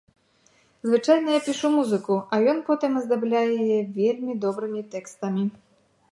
Звычайна, я пішу музыку, а ён потым аздабляе яе вельмі добрымі тэкстамі.